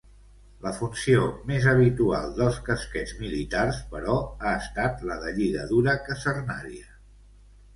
La funció més habitual dels casquets militars, però, ha estat la de lligadura casernària.